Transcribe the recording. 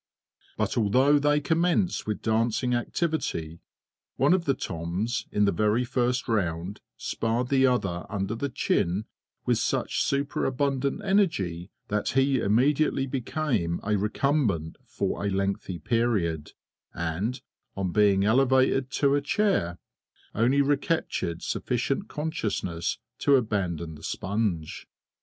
But, although they commenced with dancing activity, one of the TOMS in the very first round sparred the other under the chin with such superabundant energy that he immediately became a recumbent for a lengthy period, and, on being elevated to a chair, only recaptured sufficient consciousness to abandon the sponge.